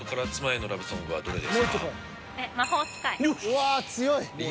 うわ強い。